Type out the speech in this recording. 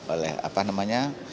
oleh apa namanya